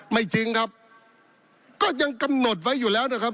จริงครับก็ยังกำหนดไว้อยู่แล้วนะครับ